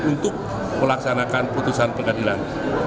untuk melaksanakan putusan pengadilan